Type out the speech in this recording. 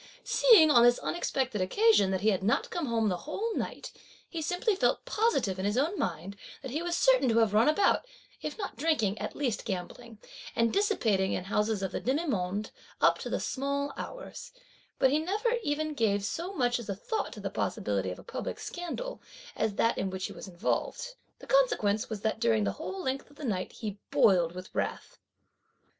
Seeing, on this unexpected occasion, that he had not come home the whole night, he simply felt positive, in his own mind, that he was certain to have run about, if not drinking, at least gambling, and dissipating in houses of the demi monde up to the small hours; but he never even gave so much as a thought to the possibility of a public scandal, as that in which he was involved. The consequence was that during the whole length of the night he boiled with wrath.